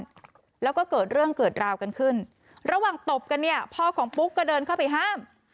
แล้วก็เกิดเรื่องเกิดราวกันขึ้นระหว่างตบกันเนี่ยพ่อของปุ๊กก็เดินเข้าไปห้าม